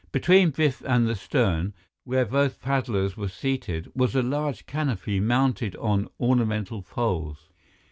Between Biff and the stern, where both paddlers were seated, was a large canopy mounted on ornamental poles.